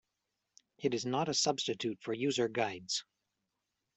It is not a substitute for user guides.